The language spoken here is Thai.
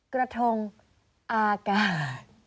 กระทงอากาศ